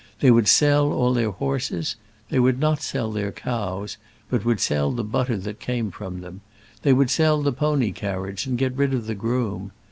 They would sell all their horses; they would not sell their cows, but would sell the butter that came from them; they would sell the pony carriage, and get rid of the groom.